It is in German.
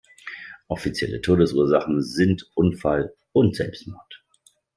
Offizielle Todesursachen sind Unfall und Selbstmord.